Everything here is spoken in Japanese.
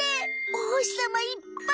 おほしさまいっぱい！